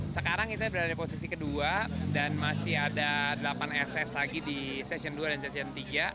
sekarang kita berada di posisi kedua dan masih ada delapan ss lagi di session dua dan session tiga